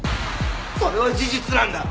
それは事実なんだ。